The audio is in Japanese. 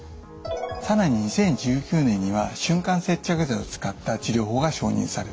更に２０１９年には瞬間接着剤を使った治療法が承認されています。